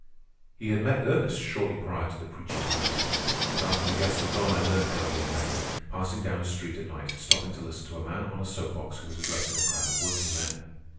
He had met Ernest shortly prior to the "preacher's night." And after the guests were gone, I learned how he had met him, passing down a street at night and stopping to listen to a man on a soap box who was addressing a crowd of workingmen.